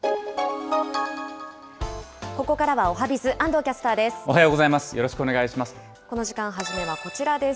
ここからはおはＢｉｚ、おはようございます。